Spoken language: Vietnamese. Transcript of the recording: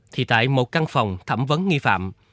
thì tại một căn phòng thẩm vấn nghi phạm